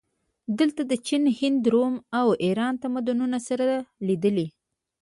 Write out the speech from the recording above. دلته د چین، هند، روم او ایران تمدنونه سره لیدلي